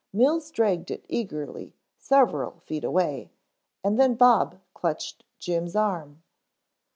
Mills dragged it eagerly several feet away, and then Bob clutched Jim's arm.